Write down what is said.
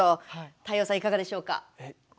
太陽さんいかがでしょうか？